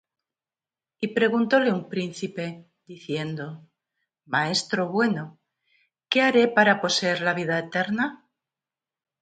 Y preguntóle un príncipe, diciendo: Maestro bueno, ¿qué haré para poseer la vida eterna?